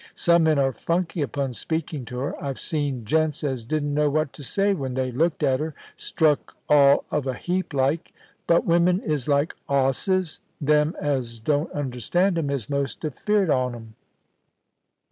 Some men are funky upon speaking to her. I've seen gents as didn't know what to say when they looked at her — struck all of a heap, like. But women is like 'osses ; them as don't understand 'em is mostly afeared on 'em.'